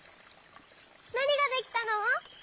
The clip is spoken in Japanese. なにができたの？